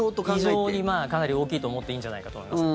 異常にかなり大きいと思っていいんじゃないかと思います。